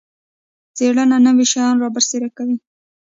څیړنه نوي شیان رابرسیره کوي